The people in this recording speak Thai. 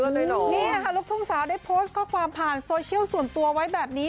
นี่ค่ะลูกทุ่งสาวได้โพสต์ข้อความผ่านโซเชียลส่วนตัวไว้แบบนี้